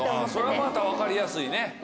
それはまた分かりやすいね。